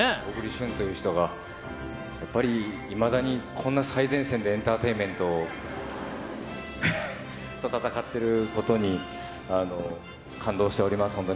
小栗旬という人が、やっぱりいまだにこんな最前線でエンターテインメントを戦っていることに、感動しております。